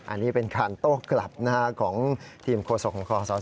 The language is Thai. อันนี้เป็นการโต๊ะกลับหน้าของทีมโครสกของคศนะครับ